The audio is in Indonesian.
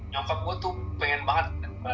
nyokap gue tuh pengen banget buat wisuda di luar negara